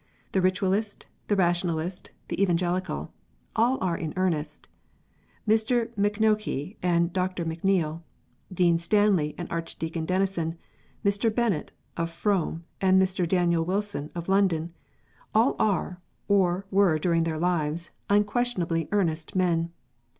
The Eitualist, the Rationalist, the Evangelical, all are in earnest. Mr. Mackonochie and Dr. M Neile, Dean Stanley and Archdeacon Denison, Mr. Bennett, of Frome, and Mr. Daniel Wilson, in London, all are, or were during their lives, unquestionably earnest men.